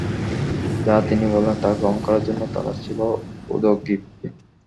যা তিনি বলবেন, তা গ্রহণ করার জন্যে তারা ছিল উদগ্রীব।